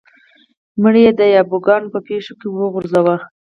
مړی یې د یابو ګانو په پښو کې وغورځاوه.